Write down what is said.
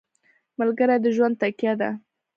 ملګری د ژوند تکیه ده.